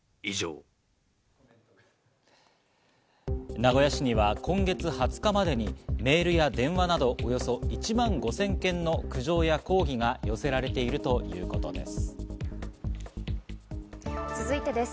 名古屋市には今月２０日までにメールや電話などおよそ１万５０００件の苦情や抗議が寄せら続いてです。